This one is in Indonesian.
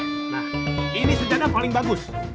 nah ini sejarah paling bagus